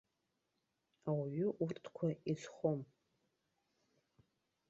Ауаҩы урҭқәа изхом.